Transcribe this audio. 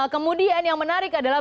kemudian yang menarik adalah